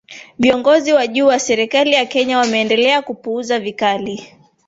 viongozi wa juu wa serikali ya kenya wameendelea kuupuuza vikali